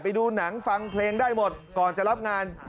ไปดูหนังฟังเพลงได้หมดก่อนจะรับงาน